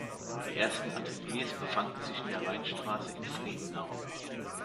Die ersten Ateliers befanden sich in der Rheinstraße in Friedenau.